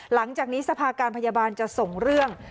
หลังจากนี้สภาการพยาบาลจะส่งเรื่อง